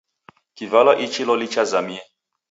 Kivalwa ichi loli chazamie!